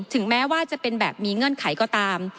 ถึงแม้ว่าจะเป็นแบบมีเงื่อนไขก็ตาม